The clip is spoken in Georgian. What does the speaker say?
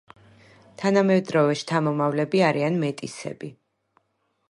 თანამედროვე შთამომავლები არიან მეტისები.